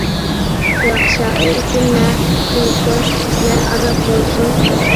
بىراق شائىر ئۈچۈن نە كۈلكە، نە ئازاب بولسۇن!